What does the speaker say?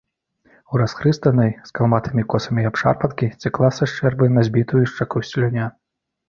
У расхрыстанай, з калматымі косамі абшарпанкі цякла са шчэрбы на збітую шчаку слюня.